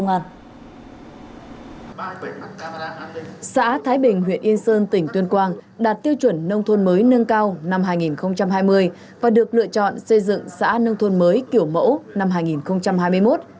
công an tỉnh tuyên quang đã tổ chức hội nghị sơ kết một năm triển khai xây dựng xã thái bình huyện yên sơn tỉnh tuyên quang đạt tiêu chuẩn nông thôn mới nâng cao năm hai nghìn hai mươi và được lựa chọn xây dựng xã nông thôn mới kiểu mẫu năm hai nghìn hai mươi một